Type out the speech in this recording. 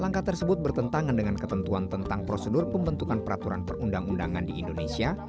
langkah tersebut bertentangan dengan ketentuan tentang prosedur pembentukan peraturan perundang undangan di indonesia